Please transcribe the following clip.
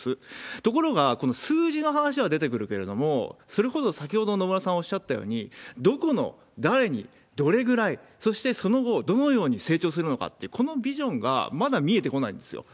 ところが、この数字の話は出てくるけれども、それこそ、先ほど野村さんおっしゃったように、どこの誰にどれくらい、そしてその後、どのように成長するのかっていう、このビジョンがまだ見えてこないんですよ。